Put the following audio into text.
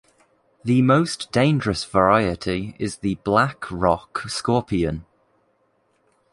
The most dangerous variety is the black rock scorpion.